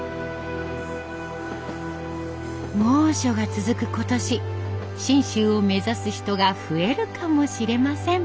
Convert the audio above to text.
猛暑が続く今年信州を目指す人が増えるかもしれません。